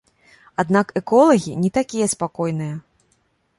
Аднак эколагі не такія спакойныя.